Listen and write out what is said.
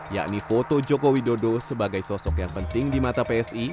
yakni foto joko widodo sebagai sosok yang penting di mata psi